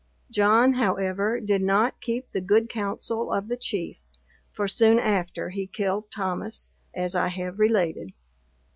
John, however, did not keep the good counsel of the Chief; for soon after he killed Thomas, as I have related.